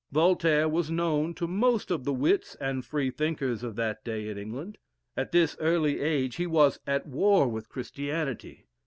Voltaire was known to most of the wits and Freethinkers of that day in England. At this early age he was at war with Christianity.